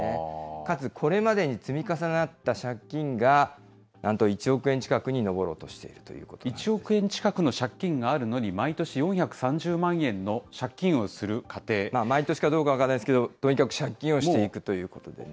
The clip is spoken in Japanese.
かつ、これまでに積み重なった借金がなんと１億円近くに上ろうとしてい１億円近くの借金があるのに、毎年かどうか分かんないですけど、とにかく借金をしていくということでね。